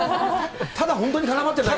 ただ本当に絡まってるだけ？